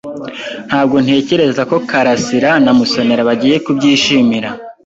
Ntabwo ntekereza ko Kalasira na Musonera bagiye kubyishimira.